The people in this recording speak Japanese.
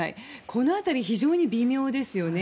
この辺り、非常に微妙ですよね。